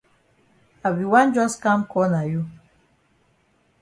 I be wan jus kam call na you.